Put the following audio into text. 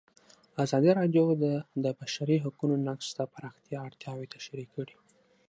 ازادي راډیو د د بشري حقونو نقض د پراختیا اړتیاوې تشریح کړي.